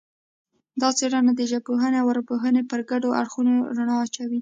دا څېړنه د ژبپوهنې او ارواپوهنې پر ګډو اړخونو رڼا اچوي